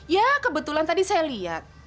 ya kebetulan tadi saya lihat